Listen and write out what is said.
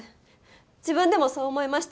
自分でもそう思いました。